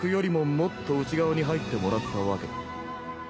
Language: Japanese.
もっと内側に入ってもらったわけだ。